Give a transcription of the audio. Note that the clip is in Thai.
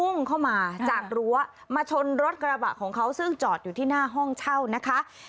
เข้ามาจากรั้วมาชนรถกระบะของเขาซึ่งจอดอยู่ที่หน้าห้องเช่านะคะ